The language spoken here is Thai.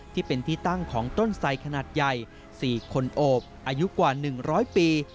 ที่เป็นที่ตั้งของต้นไสขนาดใหญ่๔คนโอบอายุกว่า๑๐๐ปี